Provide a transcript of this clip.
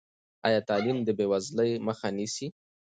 ایا تعلیم د بېوزلۍ مخه نیسي؟